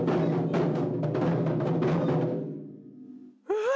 うわ！